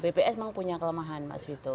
bps memang punya kelemahan mbak swito